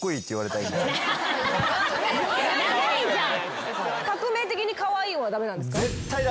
長いじゃん。何で？